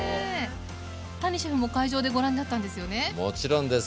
谷シェフも会場でご覧になったんですよね？もちろんです。